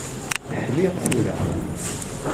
Ḥliɣ tura.